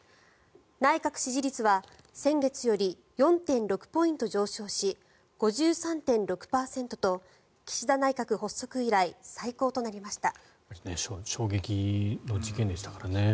内閣支持率は先月より４．６ポイント上昇し５３．６％と岸田内閣発足以来最高となりました。